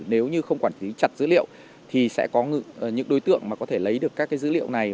nếu như không quản lý chặt dữ liệu thì sẽ có những đối tượng mà có thể lấy được các dữ liệu này